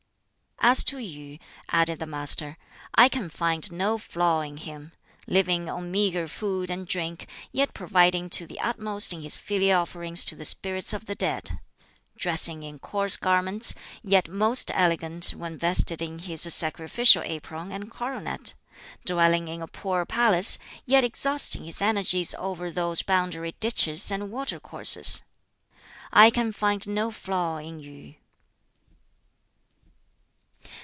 "As to Yu," added the Master, "I can find no flaw in him. Living on meagre food and drink; yet providing to the utmost in his filial offerings to the spirits of the dead! Dressing in coarse garments; yet most elegant when vested in his sacrificial apron and coronet! Dwelling in a poor palace; yet exhausting his energies over those boundary ditches and watercourses! I can find no flaw in Yu."